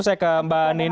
saya ke mbak nining